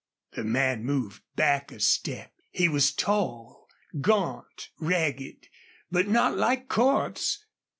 The man moved back a step. He was tall, gaunt, ragged. But not like Cordts!